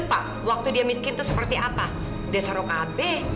pak waktu dia miskin tuh seperti apa desa rokabe